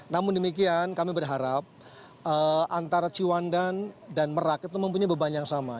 namun demikian kami berharap antara ciwandan dan merak itu mempunyai beban yang sama